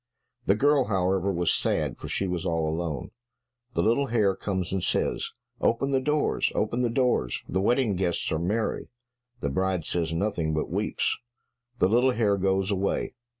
The girl, however, was sad, for she was all alone. The little hare comes and says, "Open the doors, open the doors, the wedding guests are merry." The bride says nothing, but weeps. The little hare goes away.